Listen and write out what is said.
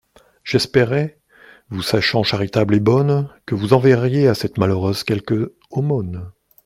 J'espérais, vous sachant charitable et bonne, que vous enverriez à cette malheureuse quelque aumône.